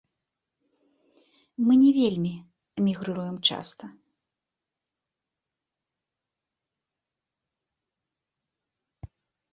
Мы не вельмі эмігрыруем часта.